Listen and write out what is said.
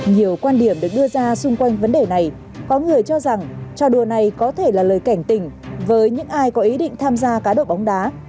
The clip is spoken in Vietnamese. nhiều quan điểm được đưa ra xung quanh vấn đề này có người cho rằng trò đùa này có thể là lời cảnh tỉnh với những ai có ý định tham gia cá độ bóng đá